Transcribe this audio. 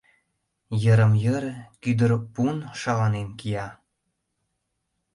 Йырым-йыр кӱдыр пун шаланен кия.